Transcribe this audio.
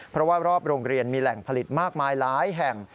เพราะว่ารอบโรงเรียนมีแหล่งผลิตมากมายหลายแห่ง